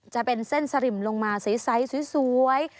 จะเป็นเส้นสริมลงมาใสสวย